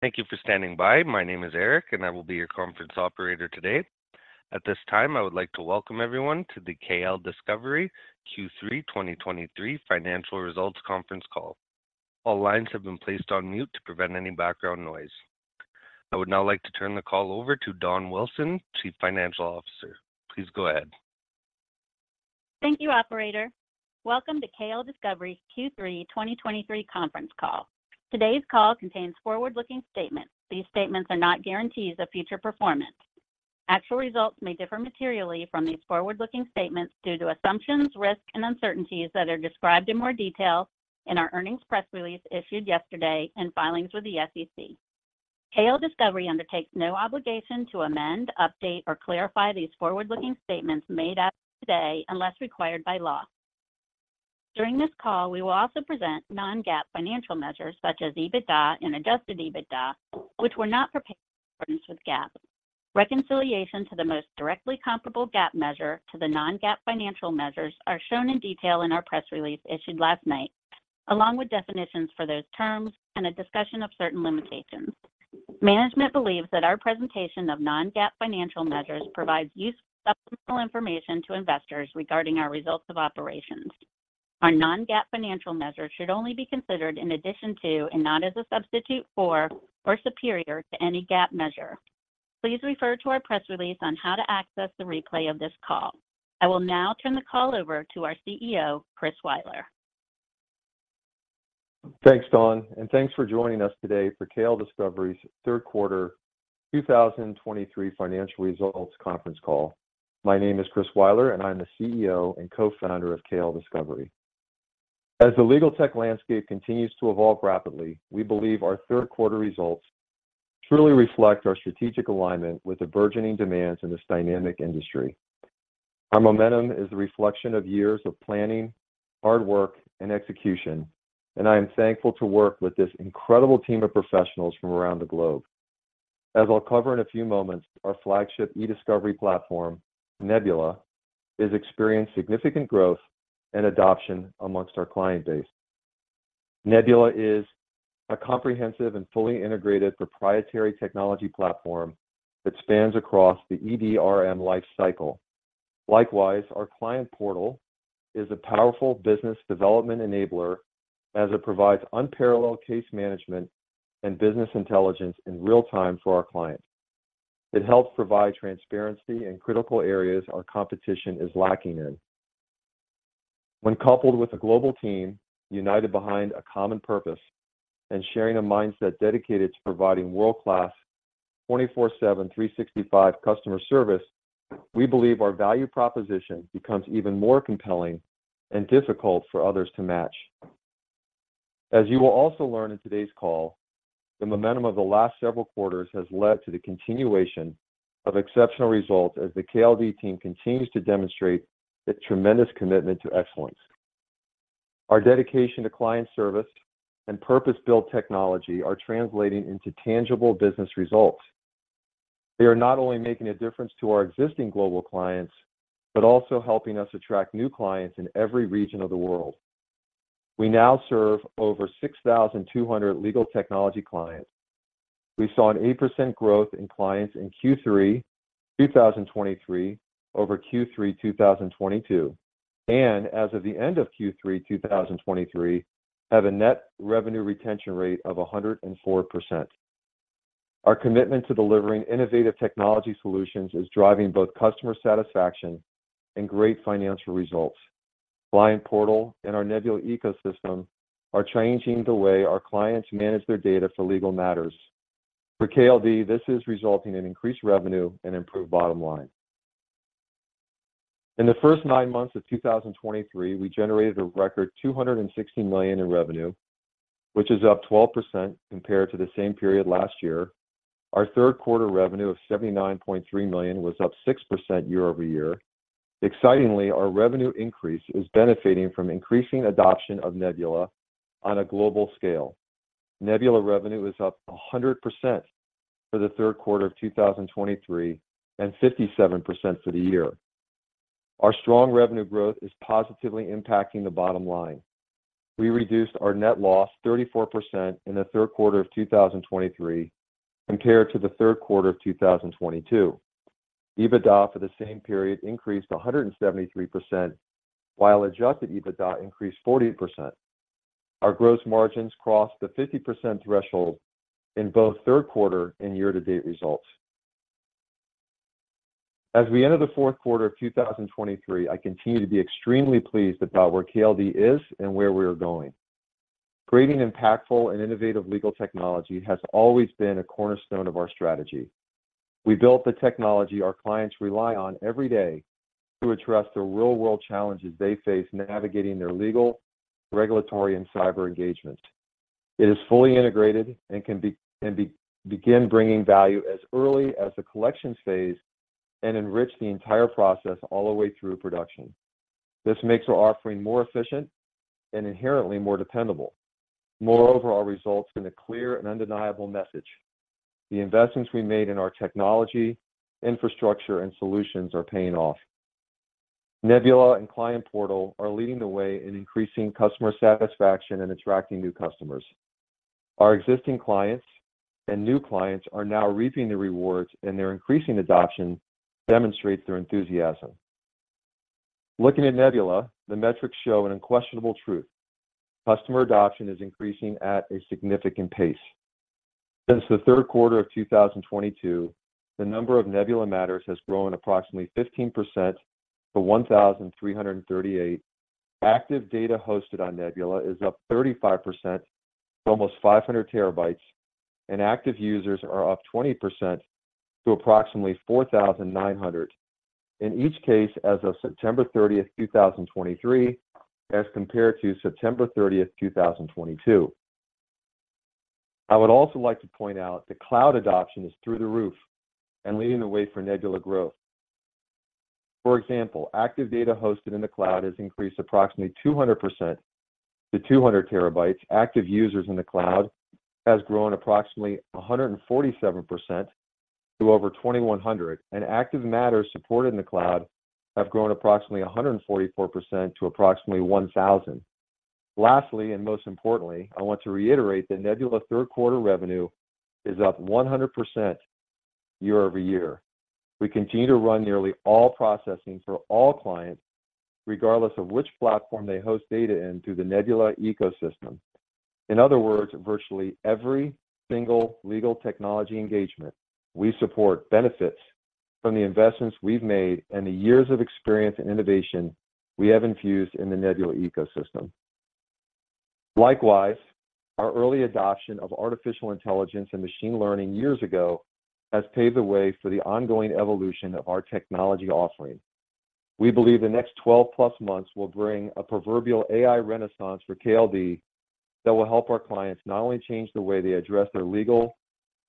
Thank you for standing by. My name is Eric, and I will be your conference operator today. At this time, I would like to welcome everyone to the KLDiscovery Q3 2023 Financial Results Conference Call. All lines have been placed on mute to prevent any background noise. I would now like to turn the call over to Dawn Wilson, Chief Financial Officer. Please go ahead. Thank you, operator. Welcome to KLDiscovery's Q3 2023 conference call. Today's call contains forward-looking statements. These statements are not guarantees of future performance. Actual results may differ materially from these forward-looking statements due to assumptions, risks, and uncertainties that are described in more detail in our earnings press release issued yesterday and filings with the SEC. KLDiscovery undertakes no obligation to amend, update, or clarify these forward-looking statements made after today, unless required by law. During this call, we will also present non-GAAP financial measures such as EBITDA and adjusted EBITDA, which were not prepared in accordance with GAAP. Reconciliation to the most directly comparable GAAP measure to the non-GAAP financial measures are shown in detail in our press release issued last night, along with definitions for those terms and a discussion of certain limitations. Management believes that our presentation of non-GAAP financial measures provides useful supplemental information to investors regarding our results of operations. Our non-GAAP financial measures should only be considered in addition to, and not as a substitute for or superior to, any GAAP measure. Please refer to our press release on how to access the replay of this call. I will now turn the call over to our CEO, Chris Weiler. Thanks, Dawn, and thanks for joining us today for KLDiscovery's third quarter 2023 financial results conference call. My name is Chris Weiler, and I'm the CEO and co-founder of KLDiscovery. As the legal tech landscape continues to evolve rapidly, we believe our third quarter results truly reflect our strategic alignment with the burgeoning demands in this dynamic industry. Our momentum is a reflection of years of planning, hard work, and execution, and I am thankful to work with this incredible team of professionals from around the globe. As I'll cover in a few moments, our flagship eDiscovery platform, Nebula, is experiencing significant growth and adoption amongst our client base. Nebula is a comprehensive and fully integrated proprietary technology platform that spans across the EDRM life cycle. Likewise, our Client Portal is a powerful business development enabler as it provides unparalleled case management and business intelligence in real time for our clients. It helps provide transparency in critical areas our competition is lacking in. When coupled with a global team united behind a common purpose and sharing a mindset dedicated to providing world-class 24/7, 365 customer service, we believe our value proposition becomes even more compelling and difficult for others to match. As you will also learn in today's call, the momentum of the last several quarters has led to the continuation of exceptional results as the KLD team continues to demonstrate its tremendous commitment to excellence. Our dedication to client service and purpose-built technology are translating into tangible business results. They are not only making a difference to our existing global clients, but also helping us attract new clients in every region of the world. We now serve over 6,200 legal technology clients. We saw an 8% growth in clients in Q3 2023 over Q3 2022, and as of the end of Q3 2023, have a net revenue retention rate of 104%. Our commitment to delivering innovative technology solutions is driving both customer satisfaction and great financial results. Client Portal and our Nebula ecosystem are changing the way our clients manage their data for legal matters. For KLD, this is resulting in increased revenue and improved bottom line. In the first 9 months of 2023, we generated a record $216 million in revenue, which is up 12% compared to the same period last year. Our third quarter revenue of $79.3 million was up 6% year-over-year. Excitingly, our revenue increase is benefiting from increasing adoption of Nebula on a global scale. Nebula revenue is up 100% for the third quarter of 2023 and 57% for the year. Our strong revenue growth is positively impacting the bottom line. We reduced our net loss 34% in the third quarter of 2023 compared to the third quarter of 2022. EBITDA for the same period increased 173%, while adjusted EBITDA increased 40%. Our gross margins crossed the 50% threshold in both third quarter and year-to-date results. As we enter the fourth quarter of 2023, I continue to be extremely pleased about where KLD is and where we are going. Creating impactful and innovative legal technology has always been a cornerstone of our strategy. We built the technology our clients rely on every day to address the real-world challenges they face navigating their legal, regulatory, and cyber engagement. It is fully integrated and can begin bringing value as early as the collection phase and enrich the entire process all the way through production. This makes our offering more efficient and inherently more dependable. Moreover, our results send a clear and undeniable message: the investments we made in our technology, infrastructure, and solutions are paying off.... Nebula and Client Portal are leading the way in increasing customer satisfaction and attracting new customers. Our existing clients and new clients are now reaping the rewards, and their increasing adoption demonstrates their enthusiasm. Looking at Nebula, the metrics show an unquestionable truth: customer adoption is increasing at a significant pace. Since the third quarter of 2022, the number of Nebula matters has grown approximately 15% to 1,338. Active data hosted on Nebula is up 35% to almost 500 TB, and active users are up 20% to approximately 4,900. In each case, as of September 30th, 2023, as compared to September 30th, 2022. I would also like to point out that cloud adoption is through the roof and leading the way for Nebula growth. For example, active data hosted in the cloud has increased approximately 200% to 200 TB. Active users in the cloud has grown approximately 147% to over 2,100, and active matters supported in the cloud have grown approximately 144% to approximately 1,000. Lastly, and most importantly, I want to reiterate that Nebula third quarter revenue is up 100% year-over-year. We continue to run nearly all processing for all clients, regardless of which platform they host data in, through the Nebula ecosystem. In other words, virtually every single legal technology engagement we support benefits from the investments we've made and the years of experience and innovation we have infused in the Nebula ecosystem. Likewise, our early adoption of artificial intelligence and machine learning years ago has paved the way for the ongoing evolution of our technology offering. We believe the next 12+ months will bring a proverbial AI renaissance for KLD that will help our clients not only change the way they address their legal,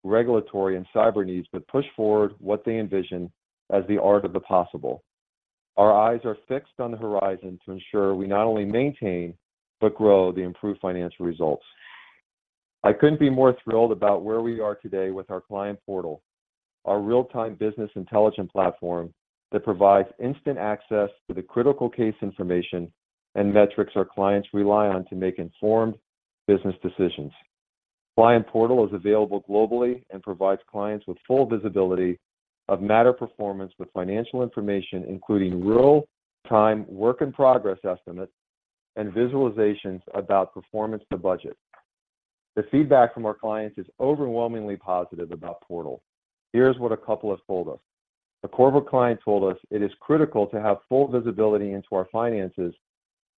regulatory, and cyber needs, but push forward what they envision as the art of the possible. Our eyes are fixed on the horizon to ensure we not only maintain, but grow the improved financial results. I couldn't be more thrilled about where we are today with our Client Portal, our real-time business intelligence platform that provides instant access to the critical case information and metrics our clients rely on to make informed business decisions. Client Portal is available globally and provides clients with full visibility of matter performance, with financial information, including real-time work in progress estimates, and visualizations about performance to budget. The feedback from our clients is overwhelmingly positive about Portal. Here's what a couple have told us. A corporate client told us, "It is critical to have full visibility into our finances.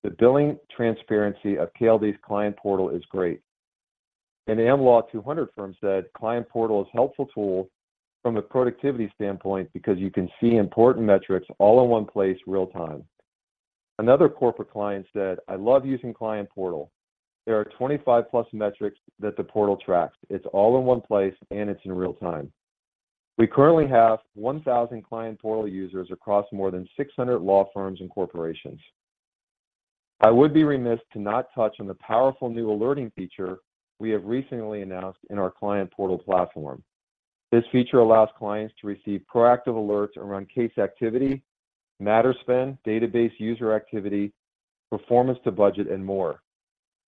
The billing transparency of KLDiscovery's Client Portal is great." An Am Law 200 firm said, "Client Portal is a helpful tool from a productivity standpoint because you can see important metrics all in one place, real time." Another corporate client said, "I love using Client Portal. There are 25+ metrics that the portal tracks. It's all in one place, and it's in real time." We currently have 1,000 Client Portal users across more than 600 law firms and corporations. I would be remiss to not touch on the powerful new alerting feature we have recently announced in our Client Portal platform. This feature allows clients to receive proactive alerts around case activity, matter spend, database user activity, performance to budget, and more.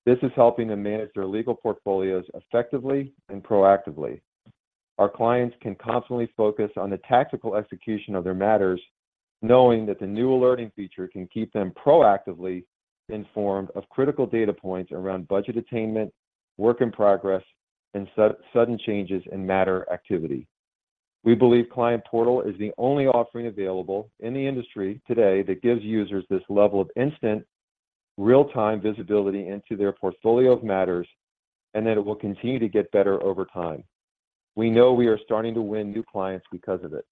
This is helping them manage their legal portfolios effectively and proactively. Our clients can constantly focus on the tactical execution of their matters, knowing that the new alerting feature can keep them proactively informed of critical data points around budget attainment, work in progress, and sudden changes in matter activity. We believe Client Portal is the only offering available in the industry today that gives users this level of instant, real-time visibility into their portfolio of matters, and that it will continue to get better over time. We know we are starting to win new clients because of it.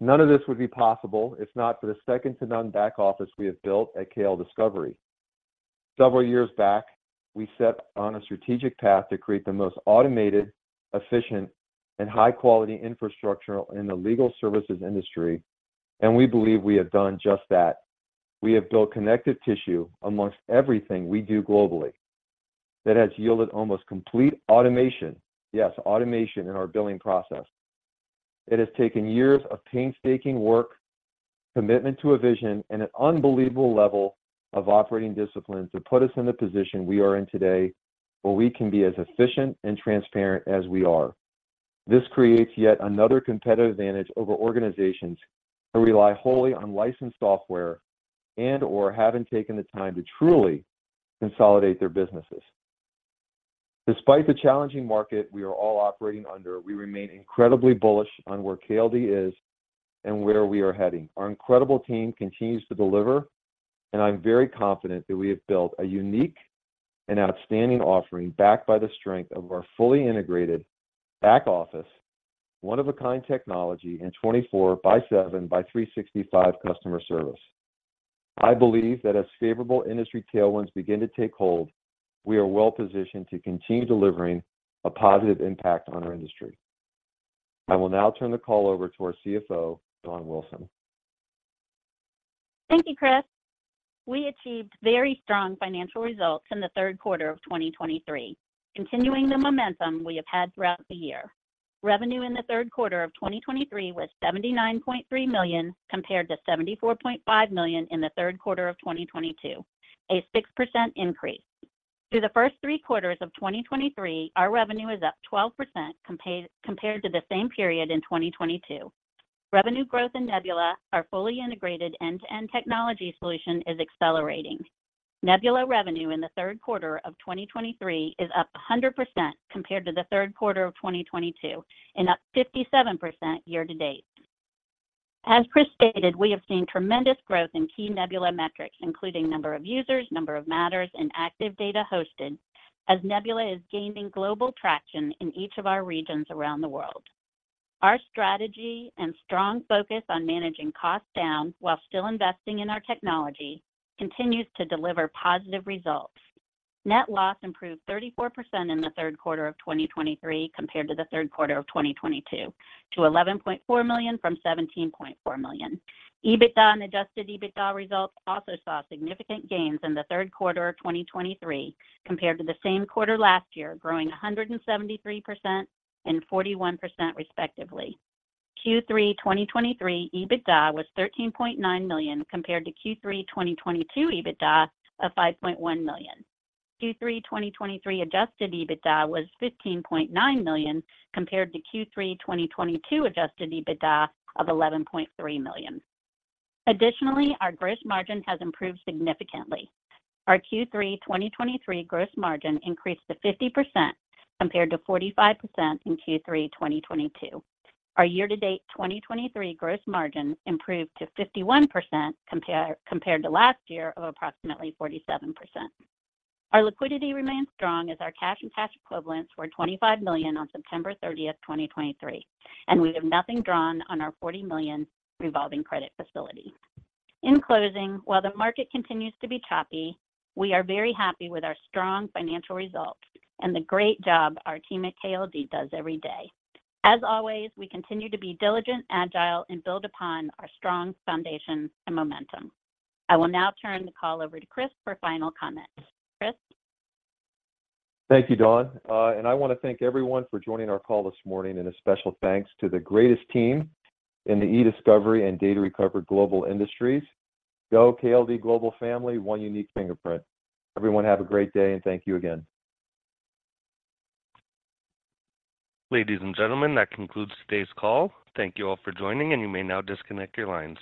None of this would be possible if not for the second-to-none back office we have built at KLDiscovery. Several years back, we set on a strategic path to create the most automated, efficient, and high-quality infrastructure in the legal services industry, and we believe we have done just that. We have built connective tissue among everything we do globally that has yielded almost complete automation, yes, automation, in our billing process. It has taken years of painstaking work, commitment to a vision, and an unbelievable level of operating discipline to put us in the position we are in today, where we can be as efficient and transparent as we are. This creates yet another competitive advantage over organizations who rely wholly on licensed software and/or haven't taken the time to truly consolidate their businesses. Despite the challenging market we are all operating under, we remain incredibly bullish on where KLD is and where we are heading. Our incredible team continues to deliver, and I'm very confident that we have built a unique and outstanding offering, backed by the strength of our fully integrated back office, one-of-a-kind technology, and 24 by 7 by 365 customer service. I believe that as favorable industry tailwinds begin to take hold, we are well positioned to continue delivering a positive impact on our industry. I will now turn the call over to our CFO, Dawn Wilson. Thank you, Chris. We achieved very strong financial results in the third quarter of 2023, continuing the momentum we have had throughout the year. Revenue in the third quarter of 2023 was $79.3 million, compared to $74.5 million in the third quarter of 2022, a 6% increase. Through the first three quarters of 2023, our revenue is up 12% compared to the same period in 2022. Revenue growth in Nebula, our fully integrated end-to-end technology solution, is accelerating. Nebula revenue in the third quarter of 2023 is up 100% compared to the third quarter of 2022, and up 57% year-to-date. As Chris stated, we have seen tremendous growth in key Nebula metrics, including number of users, number of matters, and active data hosted, as Nebula is gaining global traction in each of our regions around the world. Our strategy and strong focus on managing costs down while still investing in our technology continues to deliver positive results. Net loss improved 34% in the third quarter of 2023 compared to the third quarter of 2022, to $11.4 million from $17.4 million. EBITDA and adjusted EBITDA results also saw significant gains in the third quarter of 2023 compared to the same quarter last year, growing 173% and 41% respectively. Q3 2023 EBITDA was $13.9 million, compared to Q3 2022 EBITDA of $5.1 million. Q3 2023 Adjusted EBITDA was $15.9 million, compared to Q3 2022 Adjusted EBITDA of $11.3 million. Additionally, our gross margin has improved significantly. Our Q3 2023 gross margin increased to 50%, compared to 45% in Q3 2022. Our year-to-date 2023 gross margin improved to 51% compared to last year of approximately 47%. Our liquidity remains strong as our cash and cash equivalents were $25 million on September 30, 2023, and we have nothing drawn on our $40 million revolving credit facility. In closing, while the market continues to be choppy, we are very happy with our strong financial results and the great job our team at KLD does every day. As always, we continue to be diligent, agile, and build upon our strong foundation and momentum. I will now turn the call over to Chris for final comments. Chris? Thank you, Dawn. I want to thank everyone for joining our call this morning, and a special thanks to the greatest team in the eDiscovery and data recovery global industries. Go KLD global family, one unique fingerprint. Everyone, have a great day, and thank you again. Ladies and gentlemen, that concludes today's call. Thank you all for joining, and you may now disconnect your lines.